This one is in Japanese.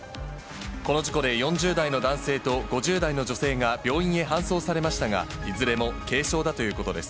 この事故で４０代の男性と５０代の女性が病院へ搬送されましたが、いずれも軽傷だということです。